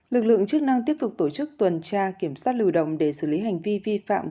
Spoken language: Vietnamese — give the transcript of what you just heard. lực lượng chức năng tiếp tục tổ chức tuần tra kiểm soát lưu đồng để xử lý hành vi vi phạm